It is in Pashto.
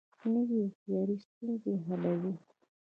نوې هوښیاري ستونزې حلوي